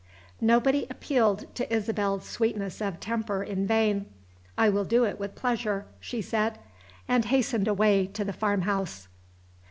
Nobody appealed to Isabel's sweetness of temper in vain. "I will do it with pleasure," she said and hastened away to the farmhouse.